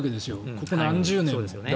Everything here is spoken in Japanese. ここ何十年。